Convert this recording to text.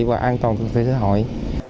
và an toàn về xã hội